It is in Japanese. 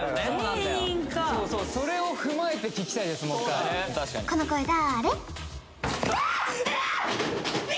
芸人かそれを踏まえて聴きたいですもっかいこの声だれ？